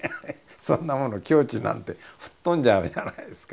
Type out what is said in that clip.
そんなもの境地なんて吹っ飛んじゃうじゃないですか。